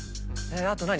あと何？